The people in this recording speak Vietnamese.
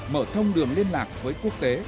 mở thông đường liên lạc với quốc tế